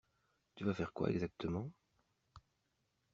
Tu vas faire quoi exactement?